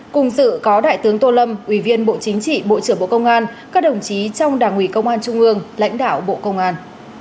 cùng sự có đại tướng tô lâm ủy viên bộ chính trị bộ trưởng bộ công an các đồng chí trong đảng ủy công an trung ương lãnh đạo bộ công an